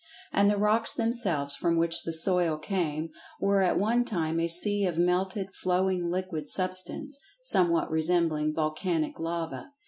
And the rocks themselves, from which the "soil" came, were at one time a sea of melted, flowing liquid Substance, somewhat resembling volcanic lava.